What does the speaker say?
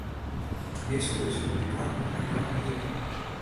Meastal is it op dy plakken ek noch ûndjip.